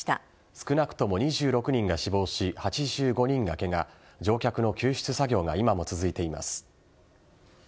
少なくとも２６人が死亡し８５人がケガ乗客の救出作業が今も続いています。